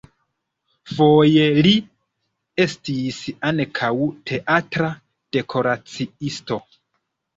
Foje li estis ankaŭ teatra dekoraciisto.